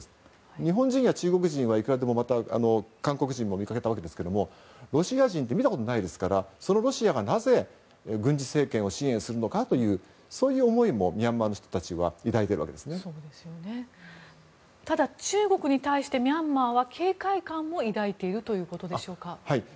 日本人や中国人いくらでも、韓国人もそうですが見かけたわけですけどロシア人って見たことないですからそのロシアが、なぜ軍事政権を支援するのかそういう思いもミャンマーの人たちはただ、中国に対してミャンマーは警戒感も抱いているということでしょうか。